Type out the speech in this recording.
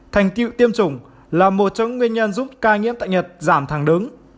thành tiệu tiêm chủng là một trong nguyên nhân giúp ca nhiễm tại nhật giảm thẳng đứng